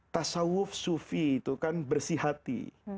tasawuf sufi itu kan bersih hati